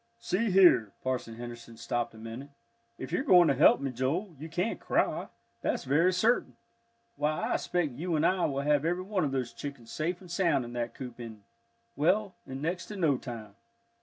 "See here," Parson Henderson stopped a minute, "if you're going to help me, Joel, you can't cry, that's very certain. Why, I expect you and I will have every one of those chickens safe and sound in that coop in well, in next to no time."